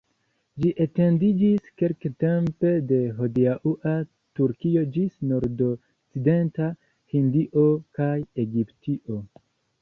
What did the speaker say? Ĝi etendiĝis kelktempe de hodiaŭa Turkio ĝis nordokcidenta Hindio kaj Egiptio.